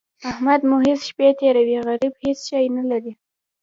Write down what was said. احمد محض شپې تېروي؛ غريب هيڅ شی نه لري.